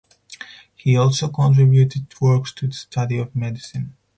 He also contributed works to the study of medicine.